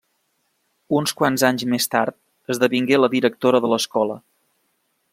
Uns quants anys més tard esdevingué la directora de l'escola.